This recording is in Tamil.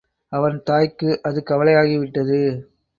அவன் தாய்க்கு அது கவலையாகி விட்டது.